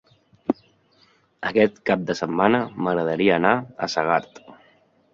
Aquest cap de setmana m'agradaria anar a Segart.